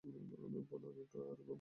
প্রধানত রুট আর গবলিনেরা।